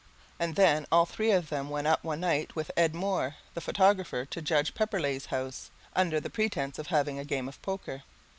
And then all three of them went up one night with Ed Moore, the photographer, to Judge Pepperleigh's house under pretence of having a game of poker.